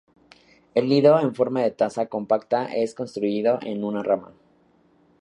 El nido en forma de taza compacta es construido en una rama.